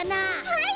はい。